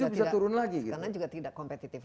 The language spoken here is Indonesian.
tujuh bisa turun lagi karena juga tidak kompetitif